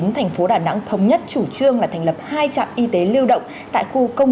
thành phố đà nẵng thống nhất chủ trương là thành lập hai trạm y tế lưu động tại khu công